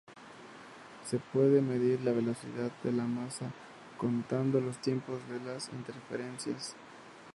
Se puede medir la velocidad de la masa contando los tiempos de las interferencias.